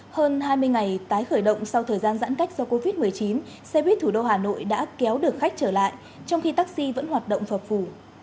hơn hai mươi ngày tái khởi động sau thời gian giãn cách do covid một mươi chín xe buýt thủ đô hà nội đã kéo được khách trở lại trong khi taxi vẫn hoạt động phở phủ